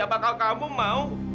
apakah kamu mau